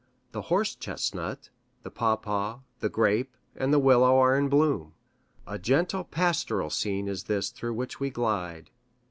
The horse chestnut, the pawpaw, the grape, and the willow are in bloom. A gentle pastoral scene is this through which we glide.